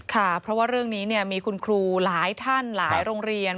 ค่ะเพราะว่าเรื่องนี้มีคุณครูหลายท่านหลายโรงเรียน